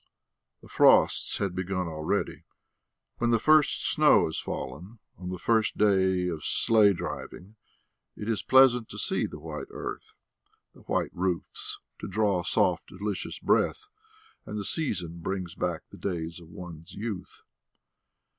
The frosts had begun already. When the first snow has fallen, on the first day of sledge driving it is pleasant to see the white earth, the white roofs, to draw soft, delicious breath, and the season brings back the days of one's youth.